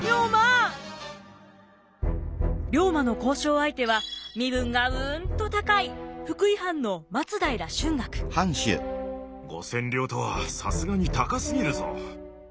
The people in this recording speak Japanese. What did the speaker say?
龍馬の交渉相手は身分がうんと高い５，０００両とはさすがに高すぎるぞ。